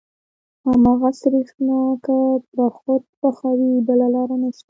هماغه سرېښناکه به خود پخوې بله لاره نشته.